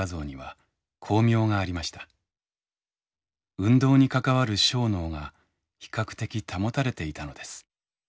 運動に関わる小脳が比較的保たれていたのです。